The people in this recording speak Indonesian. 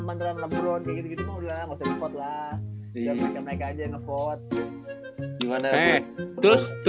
biar mereka mereka aja yang nge vote